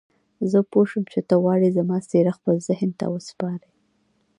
زه پوه شوم چې ته غواړې زما څېره خپل ذهن ته وسپارې.